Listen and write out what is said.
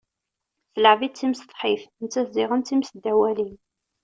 Tleɛɛeb-itt d timsetḥit, nettat ziɣen d times ddaw walim.